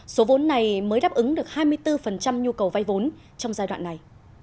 số vốn này mới đáp ứng được hai mươi bốn nhu cầu vay vốn trong giai đoạn này